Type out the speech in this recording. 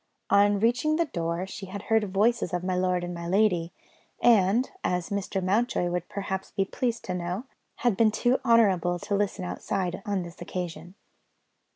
On reaching the door, she had heard the voices of my lord and my lady, and (as Mr. Mountjoy would perhaps be pleased to know) had been too honourable to listen outside, on this occasion.